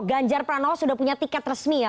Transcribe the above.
ganjar pranowo sudah punya tiket resmi ya